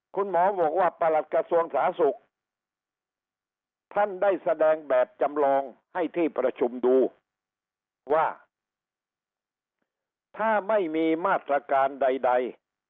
คุณหมอบอกว่าประหลัดกระทรวงสาธารณสุขท่านได้แสดงแบบจำลองให้ที่ประชุมดูว่าถ้าไม่มีมาตรการใด